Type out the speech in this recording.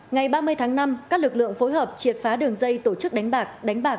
ngày ba mươi tháng năm các lực lượng phối hợp triệt phá đường dây tổ chức đánh bạc